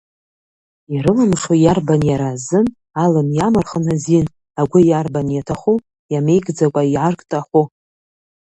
Ирылмшо иарбан иара азын, Алым иамырхын азин, агәы иарбан иаҭаху, иамеигӡакәа иааргт ахәы.